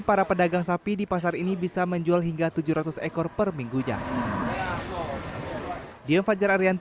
para pedagang sapi di pasar ini bisa menjual hingga tujuh ratus ekor per minggunya